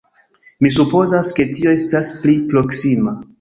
Mi supozas ke tio estas pli proksima.